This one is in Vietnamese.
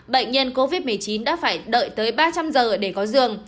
bệnh nhân covid một mươi chín đã phải đợi tới ba trăm linh giờ để có giường